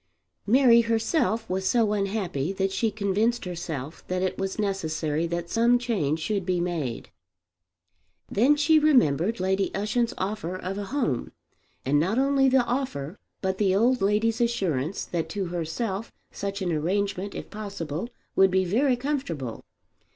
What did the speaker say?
Mary herself was so unhappy that she convinced herself that it was necessary that some change should be made. Then she remembered Lady Ushant's offer of a home, and not only the offer, but the old lady's assurance that to herself such an arrangement, if possible, would be very comfortable.